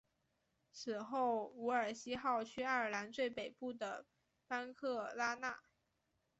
此后伍尔西号去爱尔兰最北部的班克拉纳。